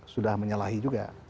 sudah menyalahi juga